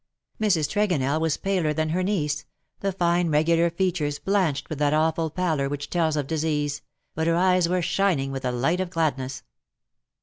Mrs. Tregonell was paler than her niece, the fine regular features blanched with that awful pallor which tells of disease — but her eyes were shining with the light of gladness.